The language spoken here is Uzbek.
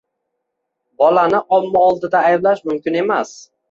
Bolani omma oldida ayblash mumkin emas.